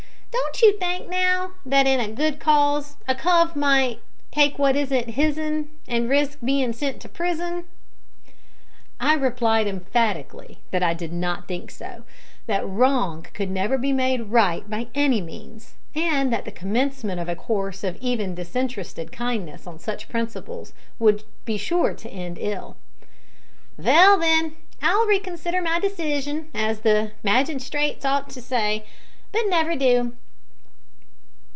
"Don't you think, now, that in a good cause a cove might: "`Take wot isn't his'n, An' risk his bein' sent to pris'n?'" I replied emphatically that I did not think so, that wrong could never be made right by any means, and that the commencement of a course of even disinterested kindness on such principles would be sure to end ill. "Vell, then, I'll reconsider my decision, as the maginstrates ought to say, but never do."